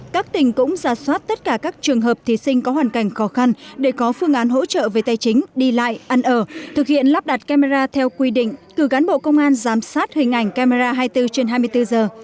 các tỉnh cũng ra soát tất cả các trường hợp thí sinh có hoàn cảnh khó khăn để có phương án hỗ trợ về tài chính đi lại ăn ở thực hiện lắp đặt camera theo quy định cử cán bộ công an giám sát hình ảnh camera hai mươi bốn trên hai mươi bốn giờ